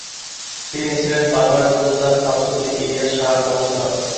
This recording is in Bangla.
তিনি ছিলেন বাংলার সুলতান শামসুদ্দীন ইলিয়াস শাহর বংশধর।